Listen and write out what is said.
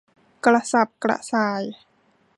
กระสับกระส่าย